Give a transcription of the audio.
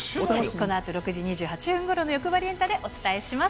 このあと６時２８分ごろのよくばりエンタでお伝えします。